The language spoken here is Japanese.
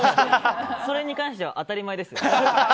それに関しては当たり前です。